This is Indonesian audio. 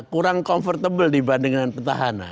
kurang comfortable dibandingkan petahana